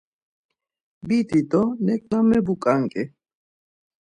Bidi do neǩna mebuǩanǩi.